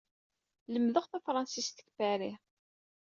Lemdeɣ tafṛensist deg Paris.